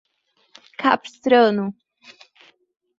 Capistrano